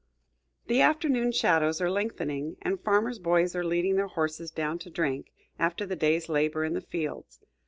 The afternoon shadows are lengthening, and farmers' boys are leading their horses down to drink, after the day's labor in the fields.